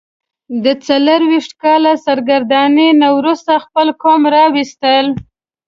د څلوېښت کاله سرګرانۍ نه وروسته خپل قوم راوستل.